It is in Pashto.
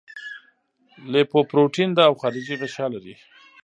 لیپوپروټین او خارجي غشا لري.